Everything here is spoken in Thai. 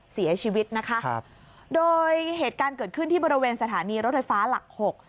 เสียชีวิตนะคะครับโดยเหตุการณ์เกิดขึ้นที่บริเวณสถานีรถไฟฟ้าหลักหก